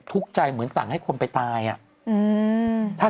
ทุกข์ใจเหมือนสั่งให้คนไปตายอ่ะ